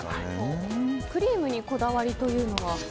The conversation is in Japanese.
クリームにこだわりというのは？